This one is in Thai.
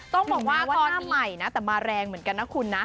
ต้องบอกว่าตอนใหม่นะแต่มาแรงเหมือนกันนะคุณนะ